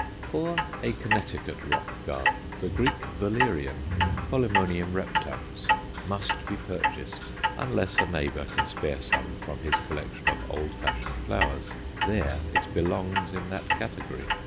For a Connecticut rock garden the Greek valerian (Polemonium reptans) must be purchased, unless a neighbor can spare some from his collection of old fashioned flowers; there it belongs in that category.